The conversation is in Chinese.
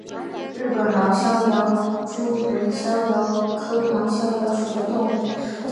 日本狼逍遥蛛为逍遥蛛科狼逍遥蛛属的动物。